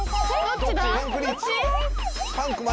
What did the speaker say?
・どっちだ？